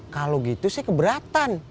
kalo gitu saya keberatan